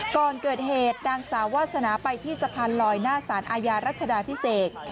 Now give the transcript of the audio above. ก่อนเกิดเหตุนางสาววาสนาไปที่สะพานลอยหน้าสารอาญารัชดาพิเศษ